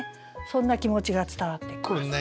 そんな気持ちが伝わってきます。